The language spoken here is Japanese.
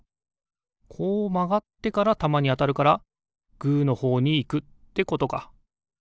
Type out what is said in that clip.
こうまがってからたまにあたるからグーのほうにいくってことか。